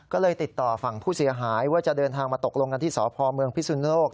ก็เลยติดต่อฝั่งผู้เสียหายว่าจะเดินทางมาตกลงกันที่สพเมืองพิสุนโลก